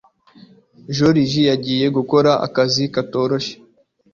Joriji yanga gukora ako kazi katoroshye